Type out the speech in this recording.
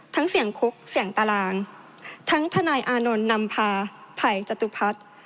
เสี่ยงคุกเสี่ยงตารางทั้งทนายอานนท์นำพาไผ่จตุพัฒน์